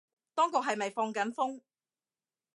當局係咪放緊風